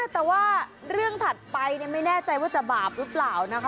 แต่ว่าเรื่องถัดไปไม่แน่ใจว่าจะบาปหรือเปล่านะคะ